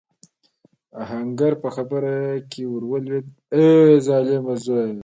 آهنګر په خبره کې ور ولوېد: اې د ظالم زويه!